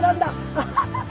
アハハハ！